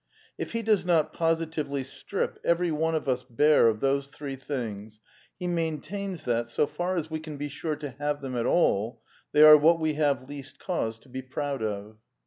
If he does not positively strip every one of us bare of those three things, he maintains that, so far as we can be said to have them at all, they are what we have least cause to be proud of.